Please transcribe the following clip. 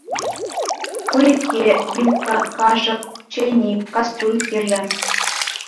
Турилкке, вилка, кашӑк, чейник, кастрюль кирлӗ.